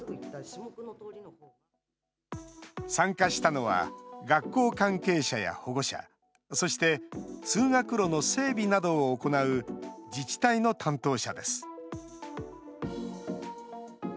参加したのは、学校関係者や保護者、そして通学路の整備などを行う自治体の担当者です。